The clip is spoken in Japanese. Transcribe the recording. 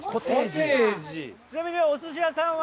ちなみにお寿司屋さんは？